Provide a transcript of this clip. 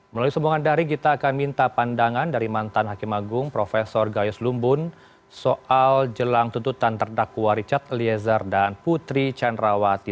melalui semuanya dari kita akan minta pandangan dari mantan hakim agung profesor gayus lumbun soal jelang tututan terdakwa richard eliezer dan putri cenrawati